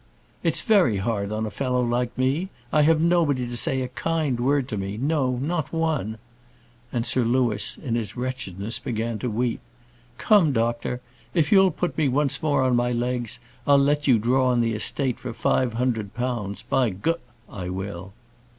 "It's very hard on a fellow like me; I have nobody to say a kind word to me; no, not one." And Sir Louis, in his wretchedness, began to weep. "Come, doctor; if you'll put me once more on my legs, I'll let you draw on the estate for five hundred pounds; by G , I will."